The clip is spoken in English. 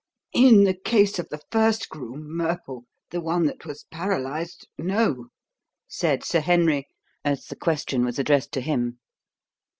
"In the case of the first groom, Murple, the one that was paralysed no," said Sir Henry, as the question was addressed to him.